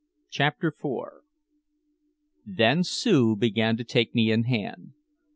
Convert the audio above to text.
CHAPTER IV Then Sue began to take me in hand.